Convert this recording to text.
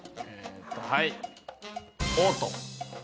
はい。